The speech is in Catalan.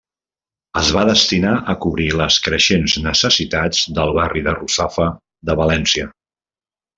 Es va destinar a cobrir les creixents necessitats del barri de Russafa de València.